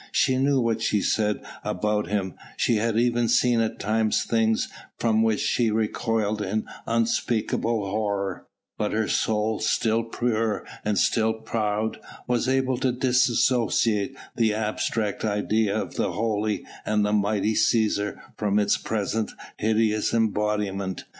She knew what was said about him, she had even seen at times things from which she recoiled in unspeakable horror; but her soul, still pure and still proud, was able to dissociate the abstract idea of the holy and mighty Cæsar from its present hideous embodiment.